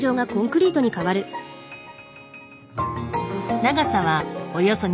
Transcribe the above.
長さはおよそ２５ｍ。